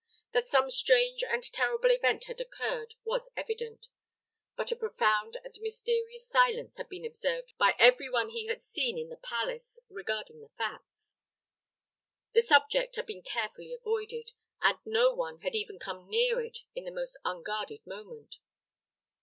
That some strange and terrible event had occurred, was evident; but a profound and mysterious silence had been observed by every one he had seen in the palace regarding the facts. The subject had been carefully avoided, and no one had even come near it in the most unguarded moment.